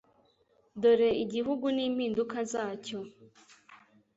dore igihugu n'impinduka zacyo.'